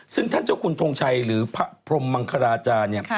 ซึ่งท่านเจ้าคุณทงชัยหรือพระพรมมังคลาจารย์เนี่ย